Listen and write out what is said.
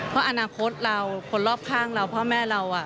เพราะอนาคตเราคนรอบข้างเราพ่อแม่เรา